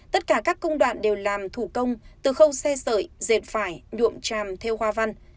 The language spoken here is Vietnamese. tất cả các công đoạn đều làm thủ công từ khâu xe sợi dệt phải nhuộm tràm theo hoa văn